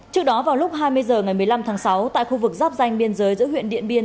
trước đó vào lúc hai mươi h ngày một mươi năm tháng sáu tại khu vực giáp danh biên giới giữa huyện điện biên